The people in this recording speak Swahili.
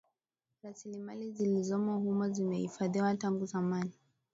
Rasilimali zilizomo humo zimehifadhiwa tangu zamani